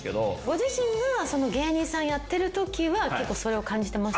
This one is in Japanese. ご自身が芸人さんやってるときは結構それを感じてました？